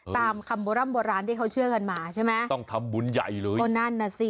ตามคำโบร่ำโบราณที่เขาเชื่อกันมาใช่ไหมต้องทำบุญใหญ่เลยก็นั่นน่ะสิ